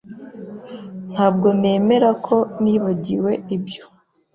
Ntabwo nemera ko nibagiwe ibyo.